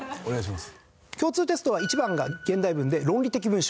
共通テストは１番が現代文で論理的文章。